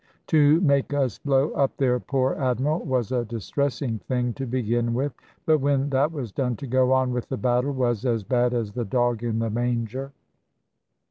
To make us blow up their poor Admiral was a distressing thing to begin with; but when that was done, to go on with the battle was as bad as the dog in the manger.